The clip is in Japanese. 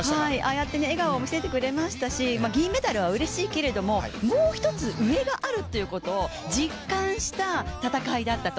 ああやって笑顔を見せてくれましたし銀メダルはうれしいけれどももう１つ上があるということを実感した戦いだったと。